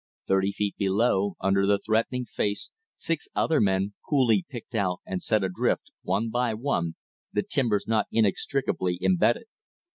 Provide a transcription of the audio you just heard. Thirty feet below, under the threatening face, six other men coolly picked out and set adrift, one by one, the timbers not inextricably imbedded.